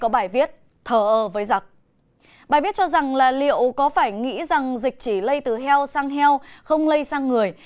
bài viết cho rằng là liệu có phải nghĩ rằng dịch chỉ lây từ heo sang heo không lây sang người